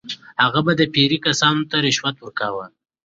هغه به د پیرې کسانو ته رشوت ورکاوه.